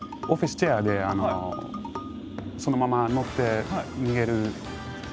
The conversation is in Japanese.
オフィスチェアでそのまま乗って逃げる。